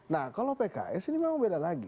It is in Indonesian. nah kalau pks ini memang beda lagi